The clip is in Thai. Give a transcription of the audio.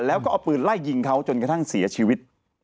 แล้วก็เอาปืนไล่ยิงเขาจนกระทั่งเสียชีวิต